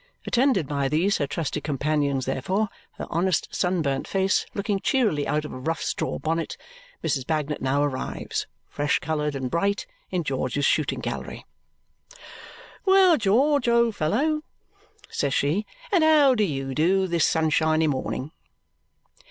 Attended by these her trusty companions, therefore, her honest sunburnt face looking cheerily out of a rough straw bonnet, Mrs. Bagnet now arrives, fresh coloured and bright, in George's Shooting Gallery. "Well, George, old fellow," says she, "and how do YOU do, this sunshiny morning?"